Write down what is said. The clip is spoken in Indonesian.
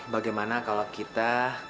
bagaimana kalau kita